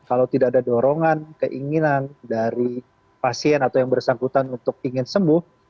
kalau tidak ada dorongan keinginan dari pasien atau yang bersangkutan untuk ingin sembuh